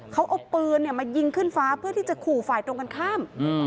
เขาเอาปืนมายิงขึ้นฟ้าเพื่อที่จะขู่ฝ่ายตรงกันข้าม